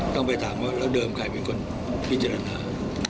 ต้องไปถามว่าแล้วเดิมใครเป็นคนพิจารณา